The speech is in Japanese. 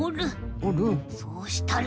そうしたら。